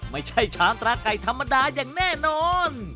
ไม่ใช่ชามตราไก่ธรรมดาอย่างแน่นอน